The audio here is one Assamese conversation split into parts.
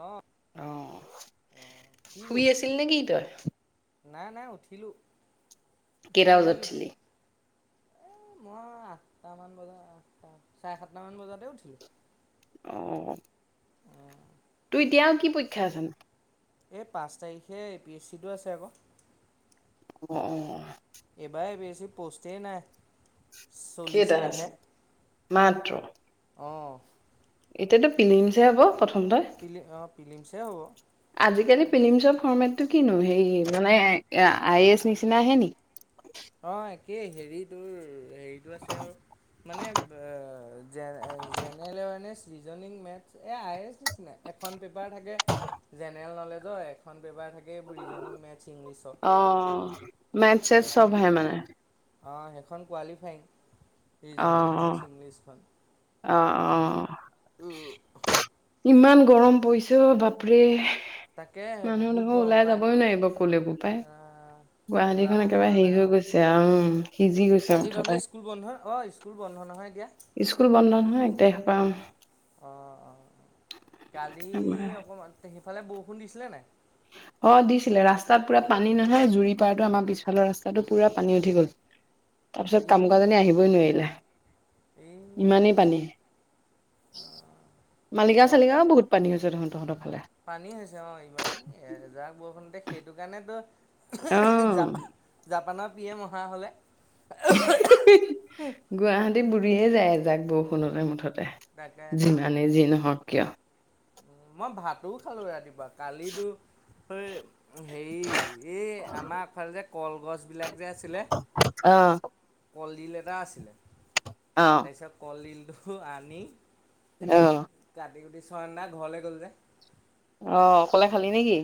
অ অহ' অ', কি শুই কৰিছ? আছিল নেকি তই? নাই নাই উঠিলোঁ। কেইটা বজাত উঠিলি। এই মই আঠটামান বজাত আঠটা চাৰে সাতটামান বজাতে উঠিলোঁ। উম। অ', তোৰ এতিয়াও কি পৰীক্ষা আছে? এই পাঁচ তাৰিখে এ পি এচি টো আছে আকৌ অ' অ' এইবাৰ এ পি এছিত পষ্টেই নাই কেইটা আছে চল্লিশটাহে। মাত্ৰ এতিয়াতো ফিল্মচে হ'ব প্ৰথমতে। ফিল্মছে হ'ব। আজিকালি ফিল্মছৰ ফৰ্মেটটো কিনো হেৰি মানে আই এ এছ নিচিনা আহে নেকি? [unintelligible] অ' একেই হেৰি তোৰ হেৰিটো আছে আৰু মানে আহ জেনেৰেল মানে ৰিজনিং মেট্ৰেছ এইয়া আই এ চ নিচিনা। এখন পেপাৰ থাকে জেনেৰেল নলেজৰ, এখন পেপাৰ থাকে থাকে ৰিজনীং, মেথছ, ইংলিছৰ মেথছ চেচ চ'ব ভাল মানে। অ' সেইখন কোৱালিফাইং অ অ ৰিজনিং, মেথছ, ইংলিছখন অ' অহ' ওৰ ইমান গৰম পৰিছোঁ বাপৰে। তাকেহে মানুহ বহুত দেখোঁ গৰম ওলাই পায় যাবই নোৱাৰিব ক'লে বোপাই। আহ ওলাব গুৱাহাটীখন একেবাৰে পৰা নাই হেৰি হৈ অঁ গৈছে উম, সিজি গৈছে আজি তহঁতৰ মুঠতে। স্কুল বন্ধ অঁ স্কুল বন্ধ নহয় এতিয়া স্কুল বন্ধ নহয় এক তাৰিখৰ পা অহ, অঁ অঁ কালি অকমান তে সিফালে বৰষুণ দিছিলে নাই? অ, দিছিলে ৰাস্তাত পুৰা পানী নহয় জুৰি পাৰেটো আমাৰ পিছফালৰ ৰাস্তাটো পুৰা পানী উঠি গ'ল। তাৰপিছত এই কাম কৰা জনী আহিবই নোৱাৰিলে এই ইমানেই পানী। ইয়াত মালিগাওঁ-চালিগাওঁ বহুত পানী হৈছে দেখোন তহঁতক পানী হৈছে অ, এইবাৰ এই এযাক বৰষুণতে সেইটো কাৰণেতো অ [unintelligible] জাপান-জাপানৰ পি এম অহা হ'লে [unintelligible] গুৱাহাটীত বুঢ়ীয়ে যায় আজ এযাক বৌখুনতে মুঠতে তাকে যিমানেই যি নহওক কিয়। মই ভাতো খালো ৰাতিপুৱা কালিতো [unintelligible] হেৰি এই আমাৰ আগফালে যে কলগছ বিলাক যে আছিলে অ', কলডিল এটা আছিলে অ তাৰপিছত কলডিলটো আনি [unintelligible] অ, [unintelligible] ঘৰলে গ'ল যে। অ, অকলে খালি নেকি?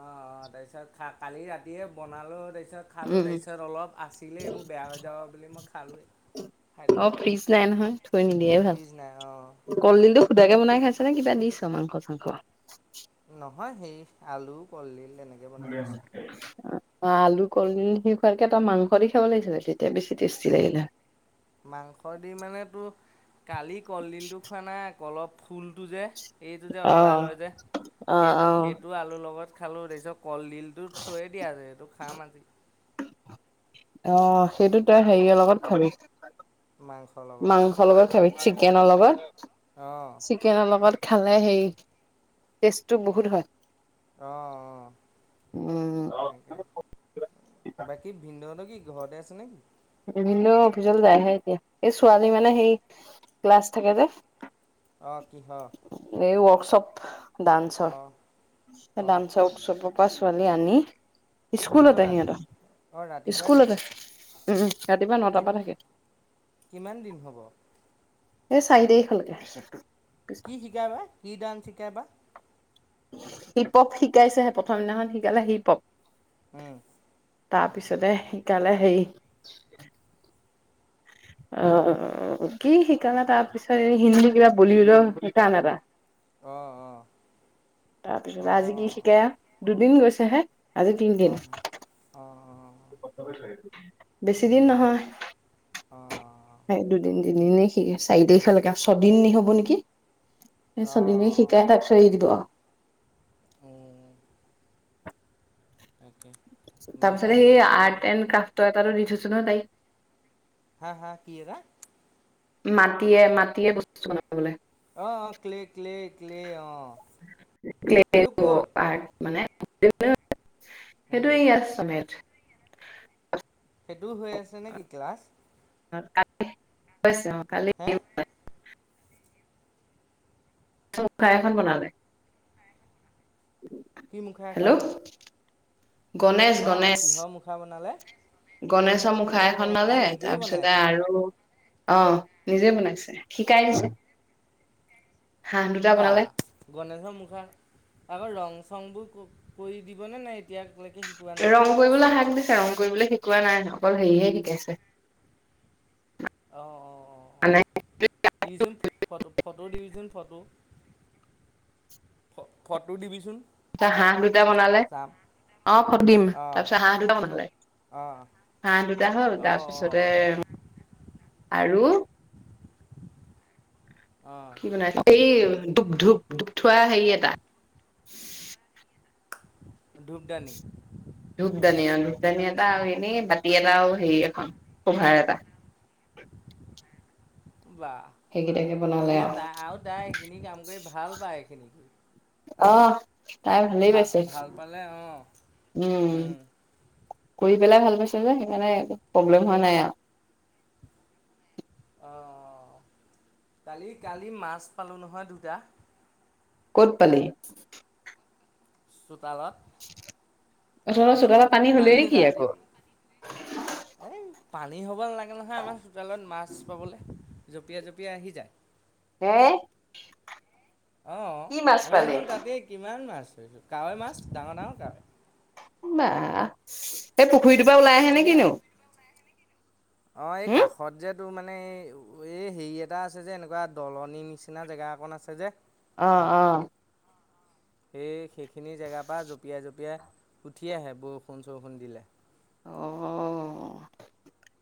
অ', অ', তাৰপিছত কা-কালি ৰাতিয়ে বনালো তাৰ- পিছত খালো উম উম। তাৰপিছত অলপ আছিলে এইবোৰ বেয়া হৈ যাব বুলি মই খালোয়ে। অ, ফ্ৰিজ নাই নহয় থৈ নিদিয়েই ভাল ফ্ৰিজ নাই অঁ কলডিল টো খুদাকে বনাই ছনে কিবা দিছ মাংস-চাংস? নহয় হেৰি আলু, কলদিল। [unintelligible] অ আলু কল সি খোৱোৱাৰকে এটা মাংস দি খাব লাগিছিলে তেতিয়া বেছি টেষ্টি লাগিলে মাংস দি মানে তো কালি কলডিলটো খোৱা নাই অলপ ফুলটো যে এইটো যে অঁতৰাই অ', লয় যে অ', সেইটো অ', সেইটো আলুৰ লগত খালো তাৰপিছত কলডিলটো থৈয়ে দিয়া আছে যে এইটো খাম আজি। অঁ, সেইটো তই হেৰি লগত খাবি মাংসৰ লগত মাংসৰ লগত খাবি। চিকেনৰ লগত অঁ চিকেনৰ লগত। খালে হে টেষ্টটো বহুত হয়। অঁ, অঁ উম, তেনেকে বাকী ভিনদৌহত কি ঘৰতে আছে নেকি? ভিনদেউ অফিচলৈ যায়হে এতিয়া এই ছোৱালী মানে সেই ক্লাছ থাকে যে। অঁ কিহ ডানসৰ অঁ ডানসৰ ক'ত চবৰে পৰা ছোৱালী আনি। অঁ স্কুলতে ৰাতি সিহত অঁ ৰাতিপুৱাই স্কুলতে থাকে উম ৰাতিপুৱা নটা পৰা থাকে। কিমান দিন হ'ব এই চাৰি তাৰিখৰলৈকে। কি শিকাবা কি ডান্স শিকাবা? হিপ হপ শিকাইছেহে প্ৰথম দিনাখন শিকালে হিপ হপ। উম। তাৰপিছতে সিকালে হেৰি। অ কি শিকানা তাৰ পিছত এই হিন্দী কাক বলিউদৰ শিকান এটা। অঁ তাৰপিছত আজি কি অঁ শিকাই দুদিন গৈছে হে। আজি তিনদিন। অঁ অঁ অঁ বেছি তাকে দিন নহয়। অ অ এই দুদিন তিনিদিনে স চাৰি তাৰিখেকে ছদিন নিহ'ব নেকি? এই অ অ ছদিনীয়ে শিকাই তাকপিছত এৰি দিলোঁ আও। উম তাকে তাৰপিছত বাকী সেই হেৰি কি আৰ্ট বুলি এণ্ড ক্ৰাফটৰ এটাটো‌ দি থৈছোঁ নহয় তাইক। হা হা কি এৰা মাটিয়ে মাটিয়ে বস্তু বনাবলে। অঁ অঁ ক্লে ক্লে ক্লে অঁ সেইটো ক'ত? আৰ্ট মানে [unintelligible] সেইটো উম ইয়াত চনেত। সেইটোও হৈ আছে নেকি ক্লাছ? কাট [unintelligible] হৈছে অঁ কালি হে দেউবা চৌকা এখন বনালে। কি মুখা এখন? হেল্ল' গণেশ অ', গণেশ কি'হৰ মুখা বনালে? গণেশৰ মুখা অ এখন বনালে, তাই নিজেই তাৰপিছতে বনাইছে আৰু অ', নিজে বনাইছে, শিকাই দিছে। হাঁহ দুটা বনালে বাহ! গণেশৰ মুখা, আকৌ ৰং চংবোৰ ক' কৰি দিবনে নাই এতিয়া ক ৰং কৰিবলে হাক দিছে। ৰং কৰিবলে শিকোৱা নাই, অকল হেৰিয়ে শিকাইছে। অ', অ', অ', অ', মানে দিবিচোন ফটো, ফটো ফটো দিবিচোন। ফটো, ফটো দিবিচোন। তা হাঁহ দুটা বনালে, চাম অ', ফটো দিম। অ তাৰপিছত হাঁহ দুটা বনালে। অ হাঁহ দুটা হ'ল অ অ তাৰপিছতে আৰু অ কি বনালে, সেই ধূপ, ধূপ, ধূপ থোৱা হেৰি এটা। ধূপদানি? ধূপদানি অ'। ধূপদানি এটা আৰু এনেই বাতি এটা আৰু হেৰি এখন, ক'ভাৰ এটা। [inaudible] বাহ, সেইকেইটাকে বনালে বুঢ়ীয়ে তাই, আৰু তাই এইখিনি কাম কৰি ভাল পায় এইখিনি। কৰি অ' তাই ভালেই ভা পাইছে ভাল পালে অ', উম। কৰি পেলাই ভাল পাইছে যে সেইকাৰণে একো প্ৰব্লেম হোৱা নাই আৰু। অ', কালি, কালি মাছ পালোঁ নহয় দুটা। ক'ত পালি? খালত। তহঁতৰ চোতালত পানী হ'লেই নেকি আকৌ? এই পানী হ'ব নালাগে নহয় আমাৰ চোতালত মাছ পাবলৈ, জঁপিয়াই-জঁপিয়াই আহি যায়। হেই অ', আমি দেখোন তাতে কিমান মাছ ধৰোঁ, কাৱৈ মাছ, ডাঙৰ-ডাঙৰ কাৱৈ। বাহ! পুখুৰীটোৰ পৰা ওলাই আহে নে এই কিনো? হুঁ এইটো মানে এই হেৰি এটা আছে যে, এনেকুৱা দলনি নিচিনা জেগা অকন আছে যে। অ', অ'। সেই সেইখিনি জেগাৰ পৰা জঁপিয়াই জঁপিয়াই উঠি আহে, বৰষুণ-চৰষুণ দিলে। অ',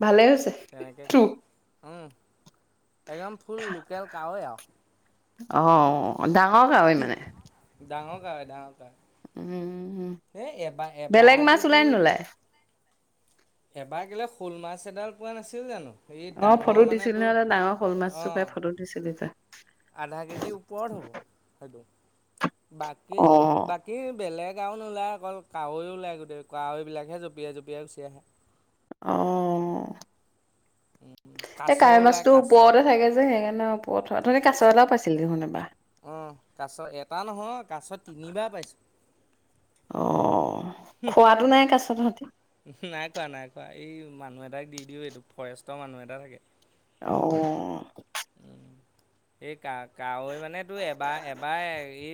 ভালেই হৈছে, তেনেকৈ তো একদম ফুল লোকেল কাৱৈ আৰু। অ', ডাঙৰ কাৱৈ মানে? ডাঙৰ কাৱৈ, ডাঙৰ। কাৱৈ উম, এই এবাৰ বেলেগ এবাৰতো মাছ ওলাই তোৰ নে নোলাই? এবাৰ কেলেই শ'ল মাছ এডাল পোৱা নাছিলো জানো? এই অ', ডাঙৰ ফটো মানে দিছিল তোৰ নহয় ডাঙৰ শ'ল মাছটো অঁ পাই ফটো দিছিলি তই। আধা কেজিৰ ওপৰত হ'ব সেইটো, বাকী, অ বাকী বেলেগ গাঁওত নোলায় আকৌ কাৱৈ ওলাই গোটেই কাৱৈবিলাকহে জঁপিয়াই, জঁপিয়াই গুচি আহে। অ' এই কাছ কাৱৈ ওলাই মাছটো কাছ ওপৰতে থাকে যে, সেইকাৰণে অ', কাছ এটাও পাইছিলি দেখোন এবাৰ। অ' কাছ এটা নহয়, কাছ তিনিবাৰ পাইছো। অ', খোৱাটো নাই কাছ তহঁতি? নাই খোৱা নাই খোৱা এই মানুহ এটাক দি দিওঁ, এইটো ফৰেষ্টৰ মানুহ এটা থাকে। অ'। এই কা কাৱৈ মানে তোৰ এবাৰ, এবাৰ এই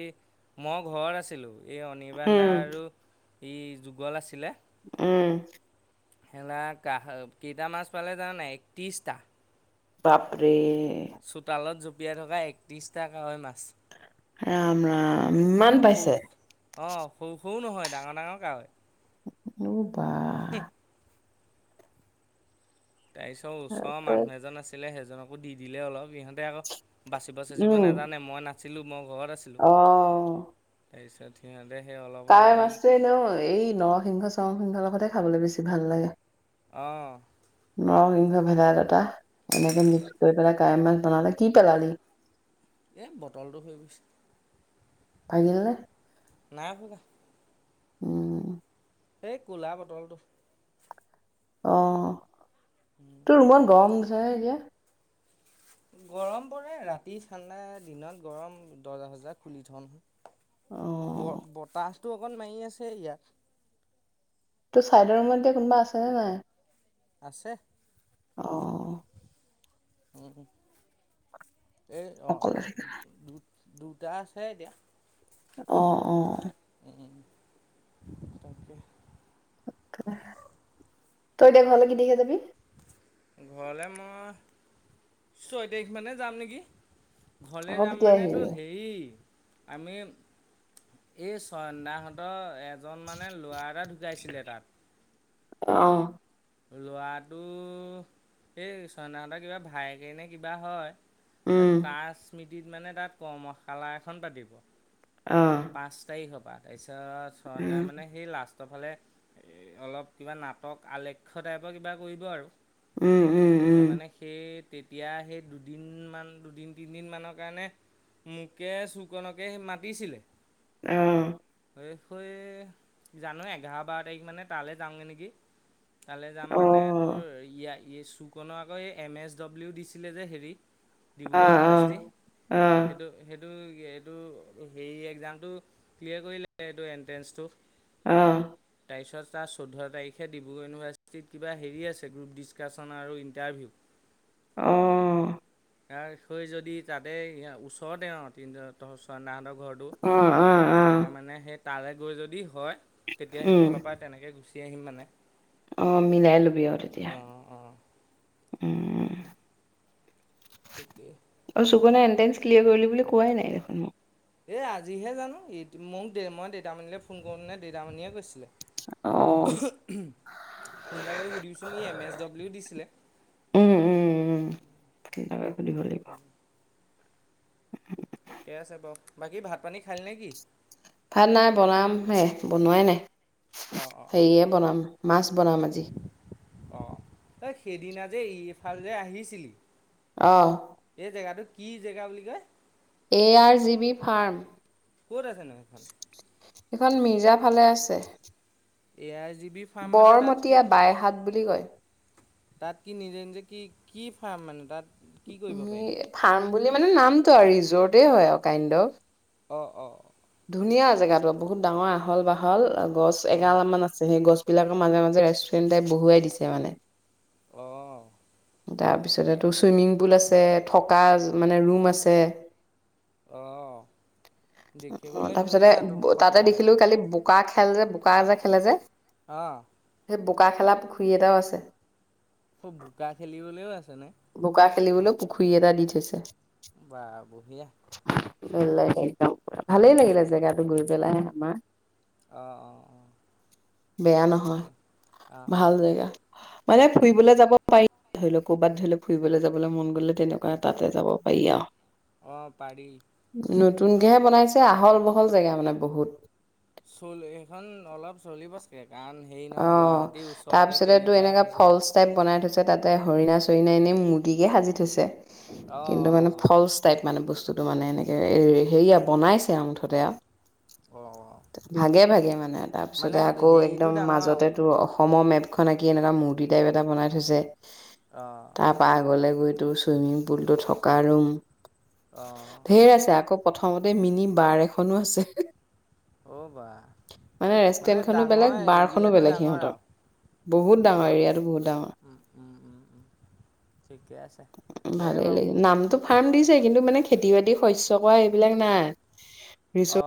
মই ঘৰত আছিলো, এই অনিৰ্বাণ দা উম, আৰু এই যুগল আছিলে উম। সো কেইটা মাছ পালে জানানাই একত্ৰিশটা বাপৰে চোতালত জঁপিয়াই থকা একত্ৰিশটা কাৱৈ মাছ ৰাম ৰাম ইমান পাইছে অ' সৰু সৰু নহয় ডাঙৰ ডাঙৰ কাৱৈ অ' বা হম তাৰ পিছত ওচৰৰ তাকে। মানুহ এজন আছিলে সেইজনকো দি দিলে অলপ ইহঁতে আকৌ বাচিব চাচিব উম, নাজানে মই নাছিলোঁ মই ঘৰত আছিলোঁ তাৰপিছত সিহঁত কাইৰ মাছটোৱে ন এই নৰসিংহ চৰসিংহৰ লগতে খাবলৈ বেছি ভাল লাগে অ', নৰসিংহ, ভেদাইলতা এনেকে মিক্স কৰি পেলাই কাৱৈ মাছ বনালে কি পেলালি এই বটলটো হৈ গৈছে ভাগিল ন নাই ভগা উম এই কোঁলা বটলটো অ', তোৰ ৰুমত গৰম [unintelligible] এতিয়া? গৰম পৰে, ৰাতি ঠাণ্ডা, দিনত গৰম। দৰ্জা চৰ্জা খুলি থওঁ নহয়। অ', ব-বতাহটো অকন মাৰি আছে ইয়াত। তোৰ চাইডৰ ৰুমত এতিয়া কোনোবা আছে নে নাই? আছে। অ'। উম, এ অ', অকলে [unintelligible] দুটা আছে এতিয়া। অ', অ'। তাকে [unintelligible] তই এতিয়া ঘৰলে কি তাৰিখে যাবি? ঘৰলে মই, ছয় তাৰিখ মানে যাম নেকি। ঘৰলে আকৌ যাম কেতিয়া মানে তোৰ আহিবি? হেৰি আমি, এই চয়ন দাহঁতৰ এজন মানে ল'ৰা এটা ঢুকাইছিলে তাত অ'। লৰাটো, এই ছয়ন দাহঁতৰ কিবা ভাইয়েকেনে কিবা হয়। উম, তাৰ স্মৃতিত মানে তাত কৰ্মশালা এখন পাতিব। অ', পাঁচ তাৰিখৰ পৰা, তাৰপিছত চয়ন দাই উম, মানে সেই লাষ্ট ফালে অলপ কিবা নাটক আলেক্ষ টাইপৰ কিবা কৰিব আৰু। উম, উম, তাৰপিছত উম। মানে সেই তেতিয়া সেই দুদিনমান, দুদিন-তিনদিনমানৰ কাৰণে মোকে, চুকনকে সি মাতিছিলে। আহ, জানো, এঘাৰ-বাৰ তাৰিখ মানে তালৈ যাওঁগৈ নেকি। তালে যাম অ', মানে তোৰ ইয়া ই চুকন আকৌ এই এম এছ ডব্লিউ দিছিলে যে হেৰিত। অ', ডিব্ৰুগড় অ'। ইউনিভাৰ্চিটি, অ', সেইটো সেইটো এইটো হেৰি একজাম টো ক্লিয়াৰ কৰিলে সেইটো এণ্ট্ৰেন্সটো। আহ। তাৰপিছত তাৰ চৈধ্য তাৰিখে ডিব্ৰুগড় ইউনিভাৰ্চিটিত কিবা হেৰি আছে, গ্ৰুপ ডিছকাশচন আৰু ইণ্টাৰভিউ। অ'হ। ইয়াৰ [unintelligible] যদি তাতে ই ওচৰতে অ' তিন ছয়নাহতক। অ' আহ, আহ। তালে গৈ যদি হয়, তেতিয়া সেইফালৰ পৰা তেনেকে গুচি আহিম মানে। আহ, মিলাই লবি আৰু তেতিয়া। অ', অ', উম! ঠিকেই। অ' চুকনে এণ্ট্ৰেন্স ক্লিয়াৰ কৰিলো বুলি কোৱাই নাই দেখোন মোক। এই আজিহে জানো, মোক দে মই দেউদামনিলে ফোন কৰোংতে দেউদামানিয়ে কৈছিলে। অ', [unintelligible] উম। ফোন এটা কৰি সুধিবিচোন? ই এম এছ ডব্লিউ দিছিলে। উম উম উম, তাকে সুধিব লাগিব। ঠিকে আছে বাও, বাকী ভাত-পানী খালি নেকি? ভাত নাই বনাম হে বনোৱাই নাই। অ', অ', অ', হেৰিয়ে বনাম, মাছ বনাম আজি। অ' তই সেইদিনা যে ইফালে যে আহিছিলি। অ'। এই জেগাটো কি জেগা বুলি কয় A R G B farm ক'ত আছে নো সেইখন সেইখন মিৰ্জা ফালে আছে এ য়াই জি বি ফাৰ্ম মানে তাত কি বৰমতিয়া বাইহাট বুলি কয় তাত কি নিজে নিজে কি কি ফাৰ্ম মানে তাত কি কৰিব পাৰিনো? ই ফাৰ্ম বুলি মানে নামটো আৰু ৰিজৰ্টে হয় আৰু কাইণ্ড অ অ ধুনীয়া জেগাতো বহুত ডাঙৰ আহল বাহল গছ অ', এগাল মান আছে সেই গছ বিলাকৰ মাজে মাজে ৰেষ্টুৰেণ্ট টাইপ বহুৱাই দিছে মানে অহ তাৰপিছত টো ছুইমিং পুল আছে থকা মানে ৰুম আছে অহ অ দেখিবলে তাৰপিছতে ধুনীয়া টো তাতে ফটোবিলাক দেখিলো কালি বোকা খেল যে বোকা এ যে খেলে যে অহ সেই বোকা খেলা পুখুৰী এটাও আছে অ বোকা খেলিবলৈও আছেনে খেলিবলেও পুখুৰী এটা দি থৈছে বাহ বঢ়িয়া [unintelligible] উম, ভালেই লাগিলে জেগাটো গৈ পেলাই আমাৰ অহ অ অ বেয়া নহয় ঠিকে অ', অ', ভাল জেগা মানে অ', অ', ফুৰিবলে যাব পাৰি ধৰি ল ক'বাত ধৰি ল ফুৰিবলে যাবলে মন গ'লে তেনেকুৱা তাতে যাব পাৰি আও অ', পাৰি উম নতুনকেহে বনাইছে আহল বহল জেগা মানে বহুত চল এইখন অলপ চলিব চাগে কাৰণ হেৰি নহয় অ'। গুৱাহাটীৰ ওচৰতে তাৰপিছতে তো তেনেকুৱা এনেকা ফলচ টাইপ ফেচেলেতি বনাই থৈছে তাতে হৰিণা চৰিণা এনেই মূৰ্ত্তিকে সাজি থৈছে, অ', কিন্তু মানে অ', অ', ফলচ টাইপ মানে বস্তু বস্তুটো মানে এনেকে হেৰিয়া বনাইছে আৰু মুঠতে আৰু। অ', অ', ভাগে ভাগে মানে তাৰপিছতে মানে আকৌ হেৰিটো একদম ডাঙৰ আৰু মাজতেতো অশ অসমৰ মেপখন আকি এনেকুৱা মূৰ্তি টাইপ এটা বনাই থৈছে, অ', তাৰপা আগলৈ গৈ তোৰ চুইমিং পুলটো থকা ৰুম অ', ধেৰ আছে আকৌ প্ৰথমতে মিনি বাৰ এখনো আছে। অ' বা মানে ৰেষ্টুৰেণ্টখনো বেলেগ ডাঙৰ বাৰখনো এৰিয়াত বেলেগ সিহঁতৰ, বহুত ডাঙৰ এৰিয়াটো বহুত ডাঙৰ। উম, উম, উম, উম, ঠিকে আছে দে ভালেই বাৰু লাগি নামটো ফাৰ্ম দিছে। কিন্তু মানে খেতি বাতি শস্য কৰা এইবিলাক নাই। অ',